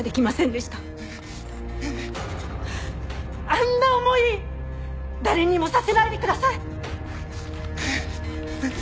あんな思い誰にもさせないでください！